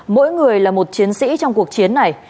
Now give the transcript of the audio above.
mỗi người là một chiến sĩ trong cuộc chiến này